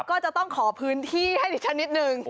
ก็จะต้องขอพื้นที่ให้ดิฉันนิดนึง